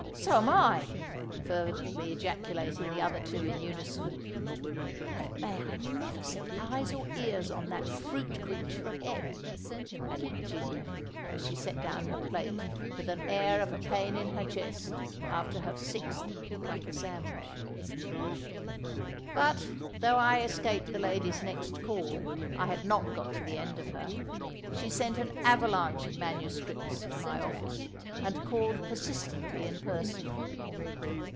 "So 'm I!" fervently ejaculated the other two in unison. "And may I never set eyes or ears on that fruit creature again," added Virginia, as she set down her plate, with an air of a pain in her chest, after her sixth cucumber sandwich. But, though I escaped the lady's next call, I had not got to the end of her. She sent an avalanche of MSS. to my office, and called persistently in person.